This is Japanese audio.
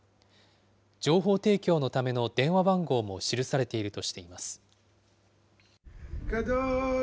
情報提供のための電話番号も記されているとしています。